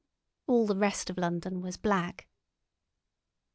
All the rest of London was black.